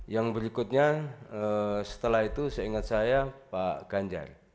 yang berikutnya setelah itu seingat saya pak ganjar